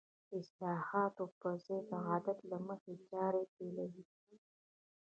د اصلاحاتو په ځای د عادت له مخې چارې پيلوي.